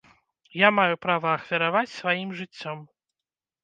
Я маю права ахвяраваць сваім жыццём.